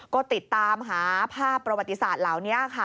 ก็ติดตามหาภาพประวัติศาสตร์เหล่านี้ค่ะ